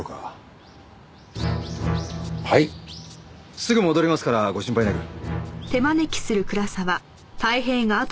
すぐ戻りますからご心配なく。